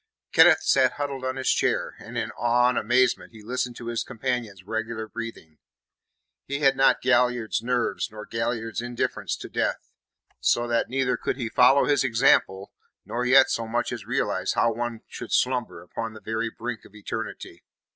Kenneth sat huddled on his chair, and in awe and amazement he listened to his companion's regular breathing. He had not Galliard's nerves nor Galliard's indifference to death, so that neither could he follow his example, nor yet so much as realize how one should slumber upon the very brink of eternity.